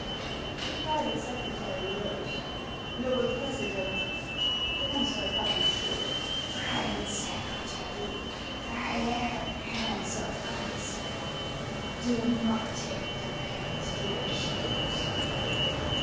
The private secretary rose :" Noble President The monster cut him short :" Private Secretary, I am Hans of Iceland ; do not take the pains to accuse me."